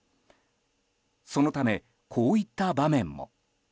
そのためこういった場面も。